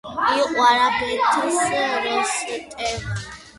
იყო არაბეთს როსტევან.